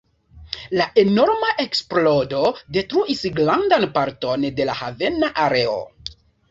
La enorma eksplodo detruis grandan parton de la havena areo.